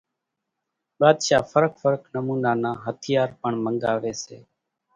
ٻاۮشاھ ڦرق ڦرق نمونا نان ھٿيار پڻ منڳاوي سي